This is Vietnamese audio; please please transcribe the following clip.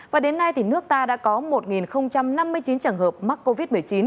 và đến nay thì nước ta đã có một năm mươi chín trường hợp mắc covid một mươi chín